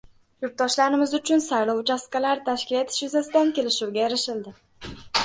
Yurtdoshlarimiz uchun saylov uchastkalari tashkil etish yuzasidan kelishuvga erishildi